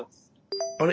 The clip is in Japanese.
あれ？